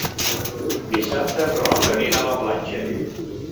Dissabte en Roc anirà a la platja.